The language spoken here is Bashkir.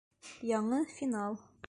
Яңы финал.